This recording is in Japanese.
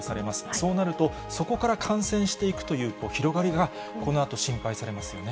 そうなると、そこから感染していくという広がりが、このあと心配されますよね。